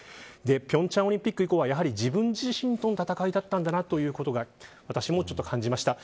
平昌オリンピック以降はやはり自分自身との戦いだったんだなということが私もちょっと感じました。